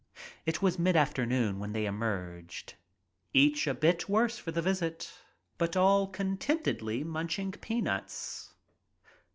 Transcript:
'.. It was mid afternoon when they emerged, each a bit worse for the visit, but all contentedly munching peanuts.